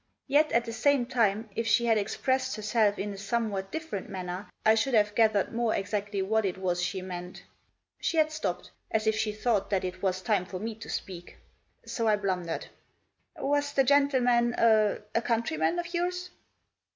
Yet, at the same time, if she had expressed herself in a somewhat different manner, I should have gathered more exactly what it was she meant. She had stopped, as if she thought that it was time for me to speak. So I blundered. " Was the gentleman a — a countryman of yours